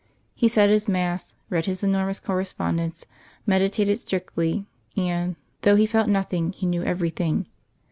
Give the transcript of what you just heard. He said his mass, read his enormous correspondence, meditated strictly; and, though he felt nothing he knew everything.